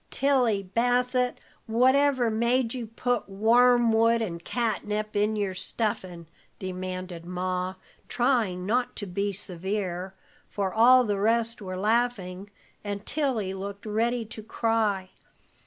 "Tilly Bassett, whatever made you put wormwood and catnip in your stuffin'?" demanded Ma, trying not to be severe, for all the rest were laughing, and Tilly looked ready to cry.